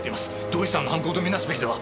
同一犯の犯行と見なすべきでは？